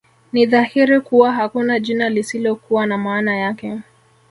Ni dhahiri kuwa hakuna jina lisilokuwa na maana yake